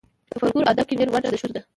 په فولکور ادب کې ډېره ونډه د ښځو ده.